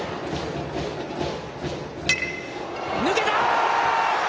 抜けた！